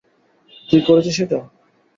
তুই করেছিস এটা?